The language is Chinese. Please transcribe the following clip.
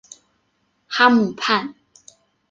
哈姆畔。